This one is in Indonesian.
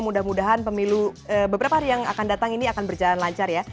mudah mudahan pemilu beberapa hari yang akan datang ini akan berjalan lancar ya